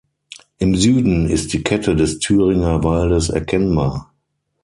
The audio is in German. Im Süden ist die Kette des Thüringer Waldes erkennbar.